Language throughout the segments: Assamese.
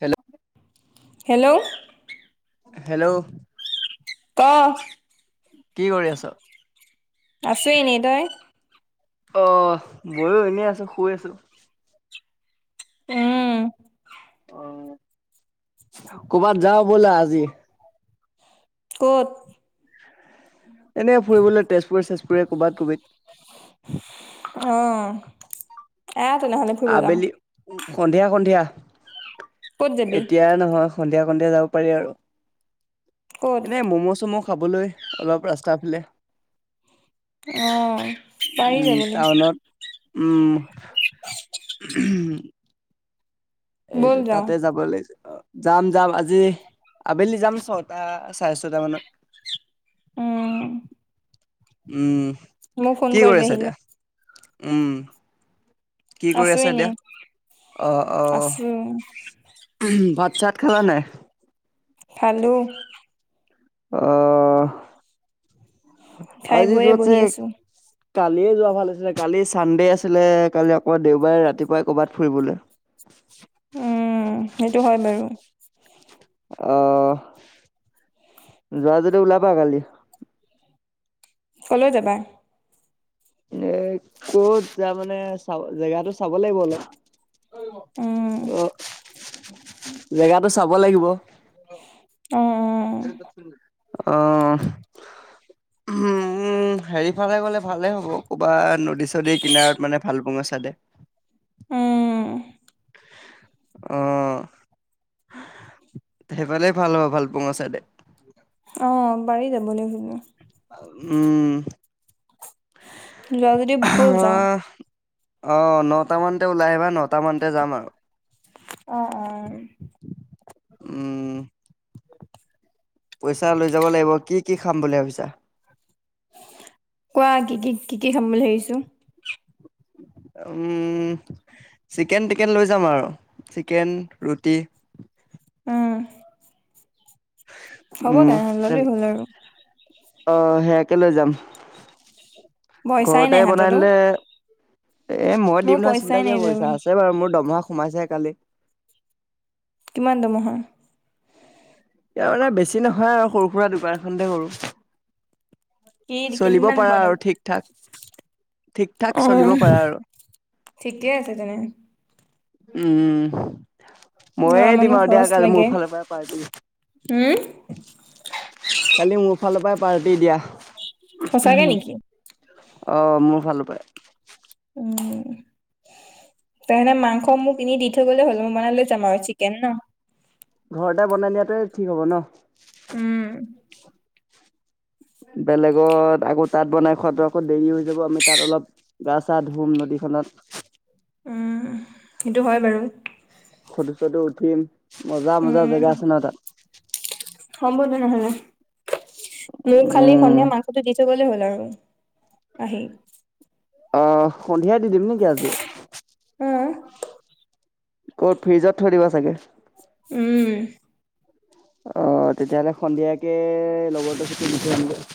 হেল্ল' হেল্ল' হেল্ল' ক কি কৰি আছ আছো এনেই তই অ মইয়ো এনেই আছো শুই আছো উম অ কৰ'বাত যাওঁ বলা আজি ক'ত এনে ফুৰিবলে তেজপুৰে চেজপুৰে ক'বাত কবিত অ আহ তেনেহলে ফুৰিব যাম আবেলি সন্ধিয়া সন্ধিয়া ক'ত যাবি এতিয়া নহয় সন্ধিয়া সন্ধিয়া যাব পাৰি আৰু ক'ত এনে ম'ম চম খাবলৈ অলপ ৰাস্তা ফালে অ পাৰি উম যাবলে টাউনত উম [unintelligible] ঊম এই ব'ল যাওঁ তাতে যাব লাগিছে অ যাম যাম আজি আবেলি যাম ছটা চাৰে ছটা মানত উম উম মোক ফোন কি কৰি কৰিবি আছা আহিলে এতিয়া উম কি কৰি আছো আছা এতিয়া এনেই অহ অহ আছো ভাত চাত খালা নাই খালো অ খাই আজি বৈয়ে যত বহি ছে আছো কালিয়ে যোৱা ভাল আছিলে কালি চানডে আছিলে কালি আক দেওবাৰে ৰাতিপুৱাই ক'ৰবাত ফুৰিবলৈ [unintelligible] উম সেইটো হয় বাৰু অ যোৱা যদি ওলাবা কালি কলৈ যাবা এ কত যাম মানে চাব জেগাটো চাব লাগিব অলপ উম অ জেগাটো চাব লাগিব অ অ অহ ঊম উম হেৰিফালে গ'লে ভালেই হ'ব ক'ৰবাত নদী চদীৰ কিনাৰত মানে ভালোকপুঙা চাইডে উম অ সেইফালেই ভাল হ'ব ভালোকপুং ছাইদে অ পাৰি যাবলে শুনো উম। যদি ব'ল যাওঁ অ' অঁ নটামানতে ওলাই আহিবা নটামানতে যাম আৰু। অ' অ'। উম, পইচা লৈ যাব লাগিব, কি কি খাম বুলি ভাবিছা? কোৱা কি কি কি কি খাম বুলি ভাবিছোঁ? উম, চিকেন টিকেন লৈ যাম আৰু? চিকেন ৰুটি উম। হ'ব উম। তেনেহ'লে ল'লেই হ'ল আৰু অ' সেইয়াকে লৈ যাম, পইচাই ঘৰতে নাই বনাই হাততো নিলে এ মই মোৰ দিম নহয় চিন্তা পইচাই কিয় নাই যাব কৰিছা? আছে বাৰু মোৰ দৰমহা সোমাইছেহ কালি। কিমান দৰমহা? ইয়াৰ মানে বেছি নহয় আৰু সৰু সুৰা দোকান এখনতে কৰোঁ। কি কিমান মান পাৰা পোৱা আৰু দৰমহা? ঠিক ঠাক ঠিক ঠাক চলিব পাৰা আৰু ঠিকে আছে তেনে। উম ময়ে ল'ৰা দিম মানুহ আৰু দিয়া খৰচ কালি মোৰ লাগে ফালৰ পৰা পাৰ্টি। হম কালি মোৰ ফালৰ পৰা পাৰ্টি দিয়া। সঁচাকে নেকি অ' মোৰ ফালৰ পৰাই। উম। তাৰমানে মাংস মোক কিনি দি থৈ গ'লে হ'ল, মই বনাই লৈ যাম আৰু চিকেন ন? ঘৰতে বনাই নিয়াটোৱে ঠিক হ'ব ন? উম। বেলেগত আকৌ তাত বনাই খোৱাটো আকৌ দেৰি হৈ যাব। আমি তাত অলপ গা চা ধোম নদীখনত। উম সেইটো হয় বাৰু। ফটো চটো উঠিম মজা মজা উম জেগা আছে ন তাত? হব ন হ। [unintelligible] মোক খালি উম সন্ধিয়া মাংসটো দি থৈ গ'লে হ'ল আৰু আহি। অ' সন্ধিয়াই দি দিম নেকি আজি? উম। ক'ত ফ্ৰিজত থৈ দিবা চাগে? উম অ' তেতিয়াহ'লে সন্ধিয়াকে লগৰটো সতি দি থৈ আহিম গৈ।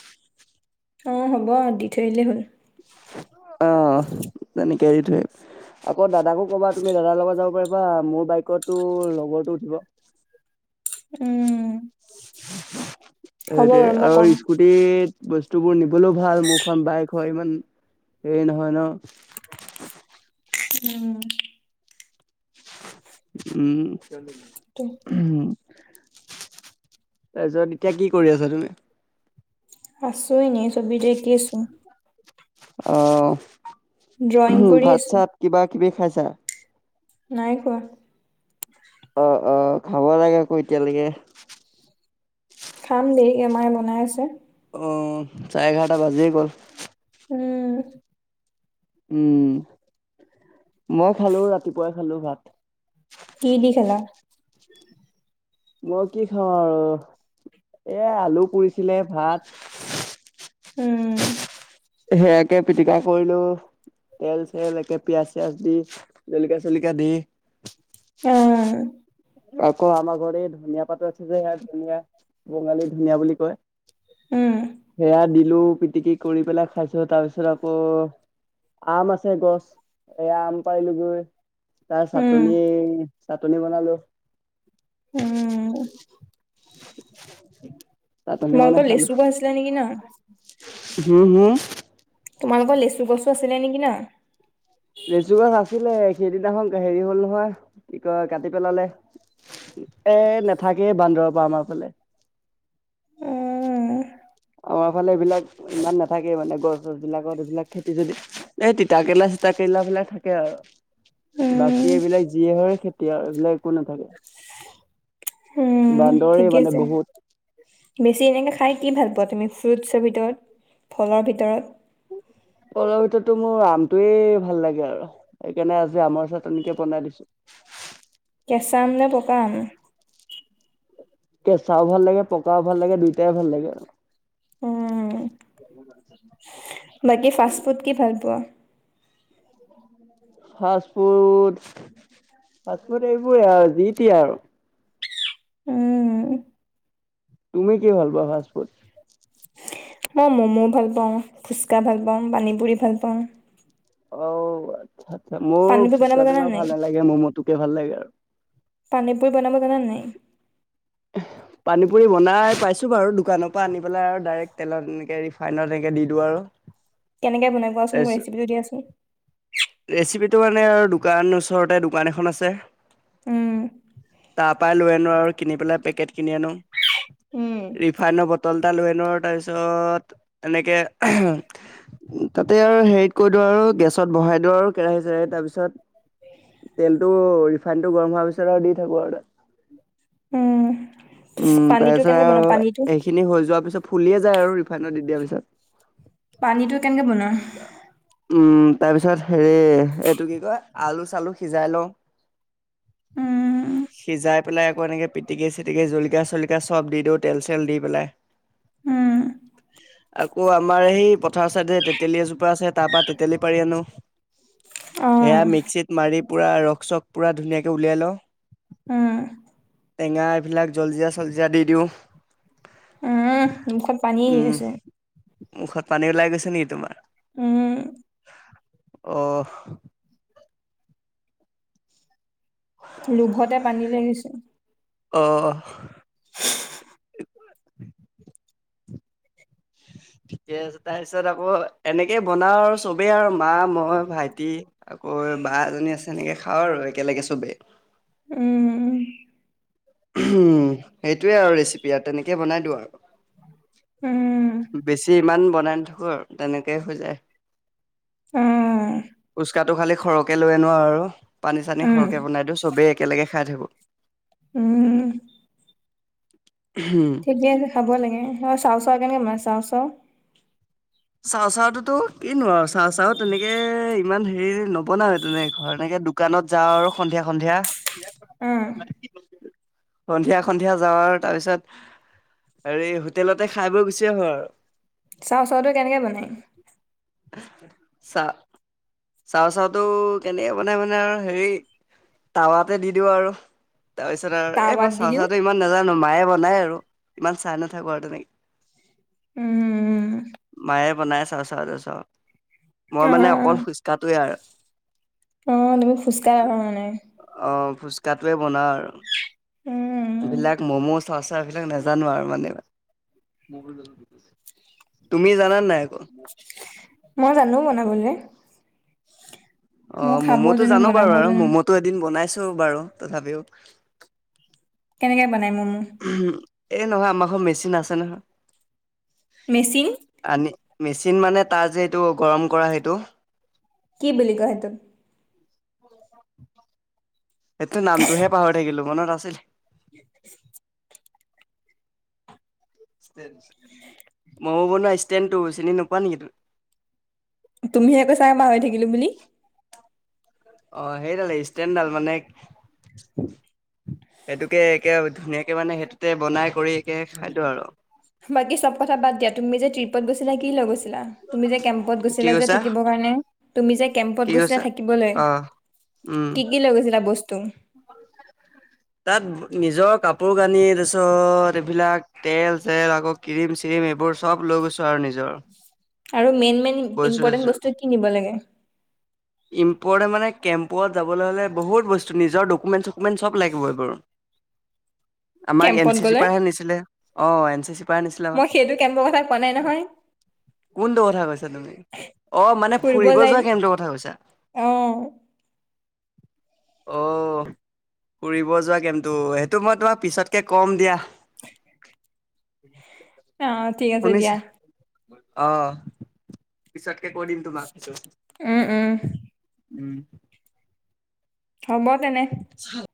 অঁ হ'ব দি থৈ আহিলেই হ'ল। অ' তেনেকে দি থৈ আহিম। আকৌ দাদাকো ক'বা তুমি? দাদাৰ লগত যাব পাৰিবা, মোৰ বাইকতো লগৰটো উঠিব। উম। হ'ব সেইটোয়ে, বাৰু মই ক'ম আৰু স্কুটি টিট বস্তুবোৰ নিবলৈও ভাল। মোৰখন বাইক হয় ইমান হেৰি নহয় ন? উম। উম। উ ত- তাৰপিছত এতিয়া কি কৰি আছা তুমি? আছো এনেই চবিটো আঁকি আছো। অ' ড্ৰয়িং কৰি ভাত আছো চাত কিবা কিবি খাইছা? নাই খোৱা। অ' অ' খাব লাগে আকৌ এতিয়ালৈকে। খাম দেৰিকে মাই বনাই আছে। অঁ চাৰে এঘাৰটা বাজিয়ে গ'ল। উমঁ। উমঁ মই খালো ৰাতিপুৱাই খালো ভাত। কি দি খালা? মই কি খাওঁ আৰু এ আলু পুৰিছিলে ভাত। উমঁ। সেয়াকে পিটিকা কৰিলো। তেল চেল একে পিয়াঁজ চিয়াজ দি জলকাীয়া চলিকা দি। এয়া। আকৌ আমাৰ ঘৰত এই ধনিয় পাতো আছে যে স ধুনীয়া বঙালী ধনিয়া বুলি কয়। উম সেয়া দিলো পিটিকি কৰি পেলাই খাইছো তাৰ পিছত আকৌ- আম আছে গছ এই আম পাইলোগৈ তাৰ উম চাটনি চাটনি বনালো। উমঁ! চাটনি তোমালোকৰ বনাই খালো লেচু গছ আছিলে নেকি ন হোম হোম। তোমালোকৰ লেচু গছো আছিলে নেকি ন। লেচু গছ আছিলে সেইদিনাখন হেৰি হল নহয় কি কয় কাটি পেলালে। এ নাথাকেই বান্দৰৰ পৰা আমাৰ ফালে। উম আমাৰ ফালে এইবিলাক ইমান নাথাকেই মানে গছ গছবিলাকত এইবিলাক খেতি যদি- এই তিতা কেৰেলা চিতা কেৰেলা বিলাক থাকে আও। বাকী উম এইবিলাক যিয়ে হয় খেতি আৰু এইবিলাক একো নাথাকে। উমঁ বান্দৰে ঠিকে মানে আছে। বহুত বেছি এনেকে খাই কি ভাল পোৱা তুমি ফ্ৰুটছৰ ভিতৰত ফলৰ ভিতৰত। ফলৰ ভিতৰতো মোৰ আমটোৱয়ে ভাল লাগে আৰু। সেইকাৰণে আজি আমাৰ চাতনকে বনাই দিছোঁ। কেঁচা আম নে পকা আম? কেঁচাও ভাল লাগে পকাও ভাল লাগে দুইটাই ভাল লাগে। উমঁ! [inaudible] বাকী ফাষ্ট ফুড কি ভাল পোৱা। ফাষ্টফুড- ফাষ্টফুড এইবোৰে আও যি টিয়ে আও। উম, তুমি কি ভাল পোৱা ফাষ্ট ফুড। মই ম'মো ভাল পাওঁ ফুচকা ভাল পাওঁ পানী পুৰি ভাল পাওঁ। অঁ আচ্ছা আচ্ছা মোৰ পানীপুৰি বনাব ফুচকাটো জানা ইমান নাই? ভাল নালাগে মোৰ মমটোকে ভাল লাগে আৰু। পানী পুৰি বনাব জান নাই। এহে! পানী পুৰি বনাই পাইছোঁ বাৰু দোকানৰ পৰা আনি পেলাই আৰু ডাইৰেক্ট তেলত এনেকৈ ৰিফাইনত এনেকৈ দি দিওঁ আৰু। কেনেকৈ বনাই পোৱাচোন মোৰ তাৰপিছত ৰেচিপটো দিয়াচোন। ৰেচিপিটো মানে আৰু দোকান ওচৰতে দোকান এখন আছে। উম, তাৰ পৰাৰাই লৈ আনো আৰু কিনি পেলাই পেকেট কিনি আনো। উম। ৰিফাইনৰ বটল এটা লৈ আনো তাৰপিছত এনেকে এহে। তাতে আৰু হেৰিত কৰি দিওঁ আৰু গেছত বহাই দিওঁ আৰু কেৰাহী চৰাহী তাৰ পিছত। তেলতটো ৰিফাইনটো গৰম হোৱাৰ পিছত আৰু দি থাকো আৰু তাত। উম', উম তাৰ পিছত আৰু এইখিনি হৈ যোৱাৰ পিছত, ফুলিয়ে যায় আৰু ৰিফাইনত দি দিয়াৰ পিছত। পানীটো কেনেকে বনোৱা? উম', তাৰপিছত হেৰি এইটো কি কয়, আলু-চালু সিজাই লওঁ। উম, সিজাই পেলাই আকৌ এনেকে পিটিকি-চিটিকি জলকীয়া-চলকীয়া চব দি দিওঁ তেল-চল দি পেলাই। [inaudible] উম, আকৌ আমাৰ সেই পথাৰ চাইডে তেতেলী এজোপা আছে, তাৰ পৰা তেতেলী পাৰি আনো। সেয়া অ', মিক্সিত মাৰি পূৰা ৰস চক পুৰা ধুনীয়াকৈ উলিয়াই লওঁ। উম, টেঙা এইবিলাক জলকীয়া-চলজীয়া দি দিওঁ। উম, মুখত পানী উম আছে মুখত পানী ওলাই গৈছে নেকি তোমাৰ? উম', অ', লোভতে পানী ওলাই গৈছে। অহ'। ঠিকে আছে, তাৰপিছত আকৌ এনেকে বনাও আৰু চবেই আৰু মা, মই, ভাইটি আকৌ বা এজনী আছে, সেনেকৈ খাওঁ আৰু একেলগে চবেই। উম, সেইটোৱে আৰু ৰেচিপি, আৰু তেনেকেই বনাই দিওঁ আৰু। উম, বেছি ইমান বনাই নাথাকো আৰু, তেনেকেই হৈ যায়। উম, ফুচকাটো খালি সৰহকে লৈ আনো আৰু, পানী-চানী উম, সৰহকে বনাই দিওঁ, চবেই একেলগে খাই থাকো। উম'। হুম'। ঠিকে আছে খাব লাগে, আৰু চাওঁ চাওঁ কেনেকৈ বনোৱা চাওঁ চাওঁ? চাওঁ চাওঁতোতো কিনো আৰু, চাওঁ চাওঁ তেনেকে ইমান হেৰি নবনাওঁ এ', তেনেকে ঘৰত এনেকে দোকানত যাওঁ আৰু সন্ধিয়া সন্ধিয়া। উম সন্ধিয়া সন্ধিয়া যাওঁ আৰু, তাৰপিছত হেৰি হোটেলতে খাই বৈ গুচি আহো আৰু। চাওঁ চাওঁটো কেনেকৈ বনায়? চা চাওঁ চাওঁটো কেনেকৈ বনাই মানে আৰু হেৰি টাৱাতে দি দিওঁ আৰু। তাৰপিছত আৰু এই টাৱাত মই দি চাওঁ দিও চাওঁটো ইমান নাজানো, মায়ে বনাই আৰু, ইমান চাই নাথাকো আৰু তেনেকে। উম', উম'। মায়ে বনাই চাওঁ চাওঁ তাৰচাওঁ মই অ মানে অকল ফুচকা টোৱে আৰু। অ তুমি খোজকাঢ়া মানে অ', ফুচকাটোৱে বনাও আৰু, উম বিলাক মম'জ আচাৰবিলাক নাজানো আৰু মানে। তুমি জানান নাই আকৌ? মই জানো বনাবলৈ। মোৰ অ', খাবও ম'ম'টো জানো বাৰু, বনাবও আৰু জানো ম'ম'টো এদিন বনাইছো বাৰু, তথাপিও কেনেকে বনাই ম'ম'? এই নহয়, আমাৰ ঘৰত মেচিন আছে নহয়। মেচিন? আনি মেচিন মানে তাৰ যে এইটো গৰম কৰা সেইটো। কি বুলি কয় সেইটোক?। সেইটো নামটোহে পাহৰি থাকিলো মনত আছিলে। [inaudible] ম'ম' বনোৱা ষ্টেণ্ডটো, চিনি নোপোৱা নেকি তুমি। তুমিহে কৈছা পাহৰি থাকিলো বুলি। অ', সেইদালেই, ষ্টেনদাল মানে। সেইটোকে একে ধুনীয়াকে মানে সেইটোতে বনাই কৰি একে খাই দিও আৰু। বাকী চব কথা বাদ দিয়া, তুমি যে ট্ৰিপত গৈছিলা, কি লৈ গৈছিলা। তুমি যে কেম্পত কি গৈছিলা যে, কৈছা? থাকিবৰ কাৰণে। তুমি যে কেম্পত কি গৈছিলা কৈছা? থাকিবলৈ, অ' উম। কি কি লৈ গৈছিলা বস্তু। [inaudible] তাত নিজৰ কাপোৰ কানি, তাৰপিছত এইবিলাক তেল চেল আকৌ। ক্ৰীম চ্ৰীম এইবোৰ চব লৈ গৈছোঁ আৰু নিজৰ। আৰু মেইন মেইন বস্তু চস্তু ইম্পৰ্তেন্ত বস্তু কি নিব লাগে। ইম্পৰ্তেন মানে কেম্পত যাবলৈ হ'লে বহুত বস্তু নিজৰ ডকুমেন চকুমেন চব লাগিবই বাৰু। আমাক এন কেম্পত চি চিৰ গ'লে পৰাহে নিছিলে, অ', এন চি চিৰ পৰা হে নিছিলে মই সেইটো কেম্পৰ কথা কোৱা নাই আমাক। নহয় কোনটো কথা কৈছা তুমি? অ' মানে ফুৰিব যোৱা কেমটোৰ কথা কৈছা। অঁল। অঁ ফুৰিব যোৱা কেমটো সেইটো মই তোমাৰ পিছতকৈ ক'ম দিয়া। উম। অ ঠিক আছে দিয়া। অ পিছতকে কৈ দিম তোমাক। উম উম। উম। হ'ব তেনে। হয়।